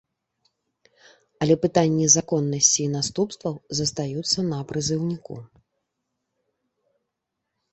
Але пытанні законнасці і наступстваў застаюцца на прызыўніку.